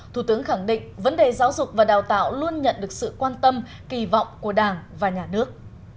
thủ tướng khẳng định vấn đề giáo dục và đào tạo luôn nhận được sự quan tâm kỳ vọng của đảng và nhà nước